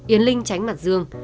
yến linh tránh mặt dương